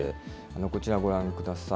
こちら、ご覧ください。